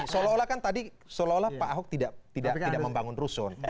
seolah olah kan tadi pak ahok tidak membangun rusun